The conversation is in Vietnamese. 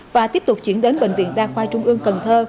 và tiếp tục chuyển đến bệnh viện đa khoa trung ương cần thơ